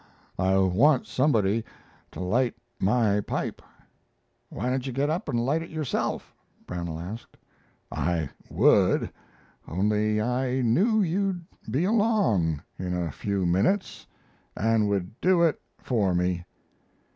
I want somebody to light my pipe." "Why don't you get up and light it yourself?" Brownell asked. "I would, only I knew you'd be along in a few minutes and would do it for me."